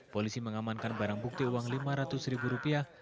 polisi mengamankan barang bukti uang lima ratus ribu rupiah